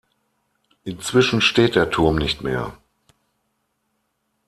Inzwischen steht der Turm nicht mehr.